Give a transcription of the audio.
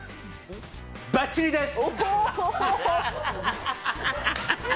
バッチリです！